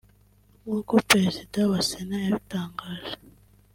nk’uko Perezida wa Sena yabitangaje